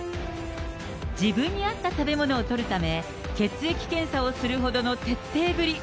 自分に合った食べ物をとるため、血液検査をするほどの徹底ぶり。